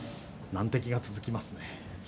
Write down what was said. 難敵が続きますね。